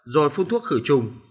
rồi phun thuốc khử trùng